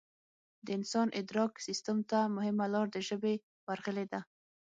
د انسان ادراک سیستم ته مهمه لار د ژبې ورغلې ده